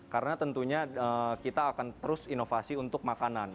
karena tentunya kita akan terus inovasi untuk makanan